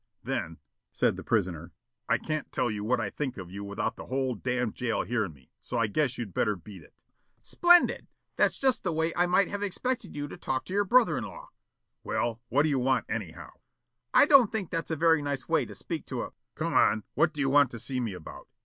"Then," said the prisoner, "I can't tell you what I think of you without the whole damn' jail hearin' me, so I guess you'd better beat it." "Splendid! That's just the way I might have expected you to talk to your brother in law." "Well, what do you want anyhow?" "I don't think that's a very nice way to speak to a " "Come on, what do you want to see me about?